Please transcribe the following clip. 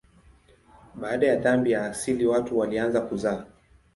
Baada ya dhambi ya asili watu walianza kuzaa.